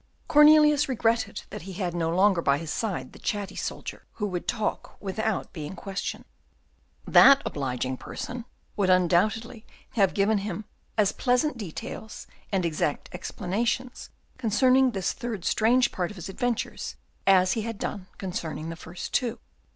Cornelius regretted that he had no longer by his side the chatty soldier, who would talk without being questioned. That obliging person would undoubtedly have given him as pleasant details and exact explanations concerning this third strange part of his adventures as he had done concerning the first two.